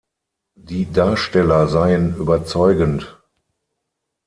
Die Darsteller seien überzeugend.